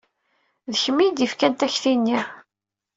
D kemm ay d-yefkan takti-nni?